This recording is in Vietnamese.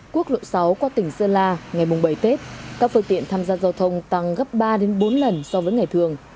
quốc lộ sáu qua tỉnh sơn la ngày bảy tết các phương tiện tham gia giao thông tăng gấp ba bốn lần so với ngày thường